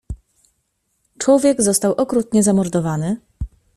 "Człowiek został okrutnie zamordowany."